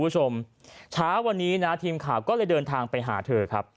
ช้าวันนี้นะทีมข่าวก็เลยเดินทางไปหาเธอครับ